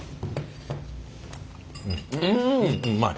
うんうまい。